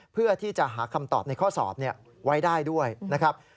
เพื่อที่จะหาคำตอบในข้อสอบไว้ได้ด้วยนะครับ